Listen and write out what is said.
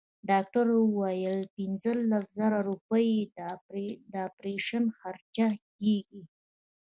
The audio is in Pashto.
ډاکټر وويل چې پنځلس زره روپۍ يې د اپرېشن خرچه کيږي.